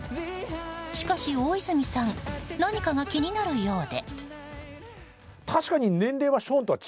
しかし、大泉さん何かが気になるようで。